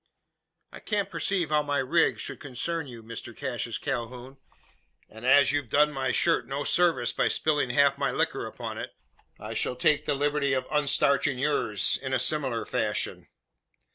"I can't perceive how my rig should concern you, Mr Cassius Calhoun; and as you've done my shirt no service by spilling half my liquor upon it, I shall take the liberty of unstarching yours in a similar fashion."